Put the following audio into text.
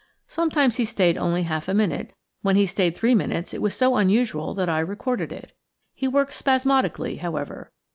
Sometimes he stayed only half a minute; when he stayed three minutes, it was so unusual that I recorded it. He worked spasmodically, however.